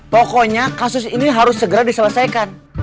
pokoknya kasus ini harus segera diselesaikan